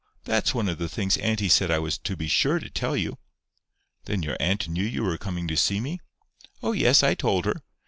That's one of the things auntie said I was to be sure to tell you." "Then your aunt knew you were coming to see me?" "Oh, yes, I told her.